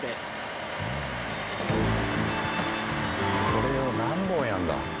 これを何本やるんだ？